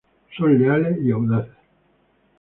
Son leales y audaces.